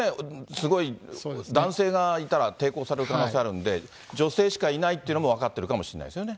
すごい、男性がいたら抵抗される可能性あるんで、女性しかいないっていうのも分かってるかもしれないですよね。